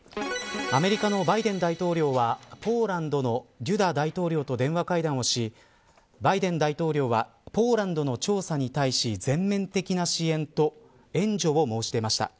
アメリカのバイデン大統領はポーランドのドゥダ大統領と電話会談をしバイデン大統領はポーランドの調査に対し全面的な支援と援助を申し出ました。